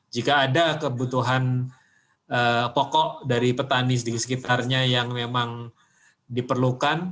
jika ada kebutuhan pokok dari petani di sekitarnya yang memang diperlukan